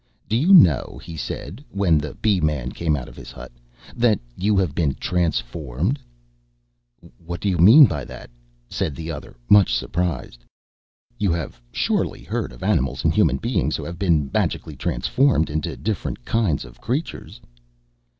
"Do you know," he said, when the Bee man came out of his hut, "that you have been transformed?" "What do you mean by that?" said the other, much surprised. "You have surely heard of animals and human beings who have been magically transformed into different kinds of creatures?"